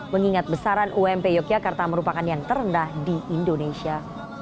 mengingat besaran ump yogyakarta merupakan yang terendah di indonesia